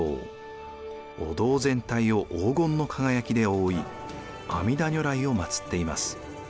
お堂全体を黄金の輝きで覆い阿弥陀如来を祭っています。